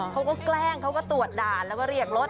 แกล้งเขาก็ตรวจด่านแล้วก็เรียกรถ